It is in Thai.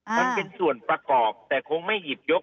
มันเป็นส่วนประกอบแต่คงไม่หยิบยก